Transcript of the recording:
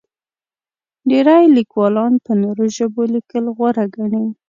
ډېری لیکوالان په نورو ژبو لیکل غوره ګڼي.